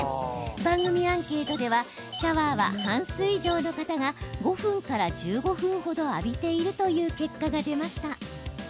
番組アンケートではシャワーは半数以上の方が５分から１５分程浴びているという結果が出ました。